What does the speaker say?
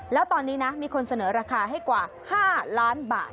แล้วตอนนี้นะมีคนเสนอราคาให้กว่า๕ล้านบาท